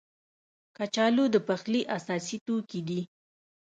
کچالو د پخلي اساسي توکي دي